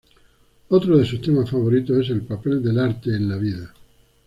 Otro de sus temas favoritos es el papel del arte en la vida.